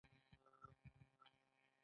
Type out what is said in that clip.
د تودوخې لیږد په دې پروسه کې شامل دی.